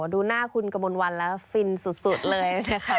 ดูหน้าคุณกระมวลวันแล้วฟินสุดเลยนะคะ